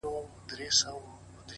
اراده د تیارو لارو څراغ بلوي؛